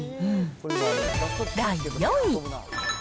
第４位。